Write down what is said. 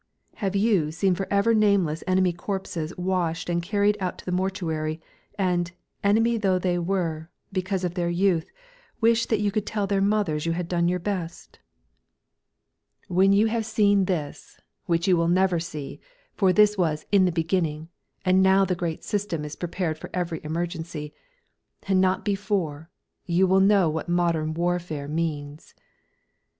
Have you seen forever nameless enemy corpses washed and carried out to the mortuary, and, enemy though they were, because of their youth, wished that you could tell their mothers you had done your best? "When you have seen this which you never can see, for this was 'In the beginning,' and now the great System is prepared for every emergency and not before, will you know what modern warfare means."